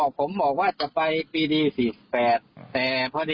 กลับมารับทราบ